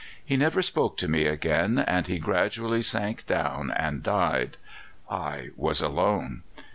He never spoke to me again, and he gradually sank down and died. I was alone.